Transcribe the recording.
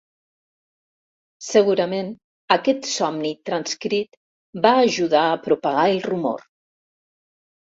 Segurament aquest somni transcrit va ajudar a propagar el rumor.